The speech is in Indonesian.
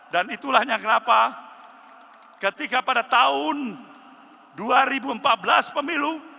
dan itulah yang kenapa ketika pada tahun dua ribu empat belas pemilu